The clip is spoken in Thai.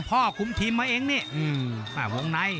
คุมทีมมาเองนี่วงใน